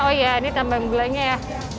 oh ya ini tambah gulanya ya